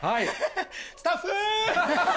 スタッフー。